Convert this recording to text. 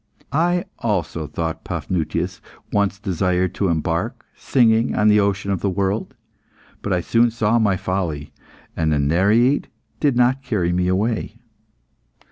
"I also," thought Paphnutius, "once desired to embark singing on the ocean of the world. But I soon saw my folly, and the Nereid did not carry me away."